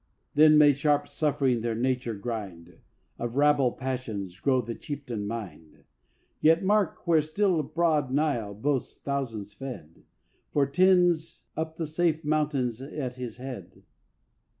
Then may sharp suffering their nature grind; Of rabble passions grow the chieftain Mind. Yet mark where still broad Nile boasts thousands fed, For tens up the safe mountains at his head.